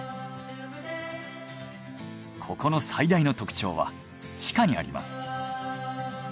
ここの最大の特徴は地下にあります。